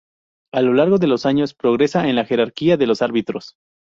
A lo largo de los años, progresa en la jerarquía de los árbitros.